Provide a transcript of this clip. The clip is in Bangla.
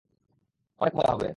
অনেক মজা হবে।